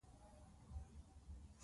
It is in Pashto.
بېنډۍ د شیدو سره نه پخېږي